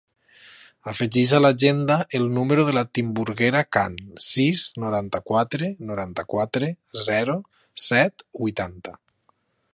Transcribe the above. Afegeix a l'agenda el número de la Timburguera Khan: sis, noranta-quatre, noranta-quatre, zero, set, vuitanta.